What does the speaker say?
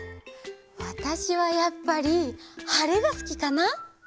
わたしはやっぱりはれがすきかな！